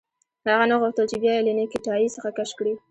هغه نه غوښتل چې بیا یې له نیکټايي څخه کش کړي